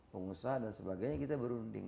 pengusaha dan sebagainya kita berunding